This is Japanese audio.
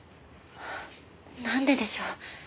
なんででしょう？